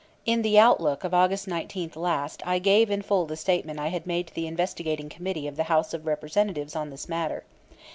In The Outlook of August 19 last I gave in full the statement I had made to the Investigating Committee of the House of Representatives on this matter.